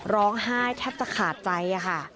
ร้องไห้แทบจะขาดใจค่ะ